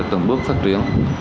tầm bước phát triển